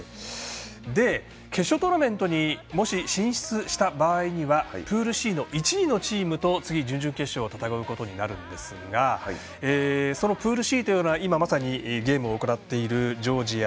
決勝トーナメントにもし進出した場合にはプールＣの１位のチームと準々決勝を戦うことになるんですがそのプールＣというのは今まさにゲームを行っているジョージア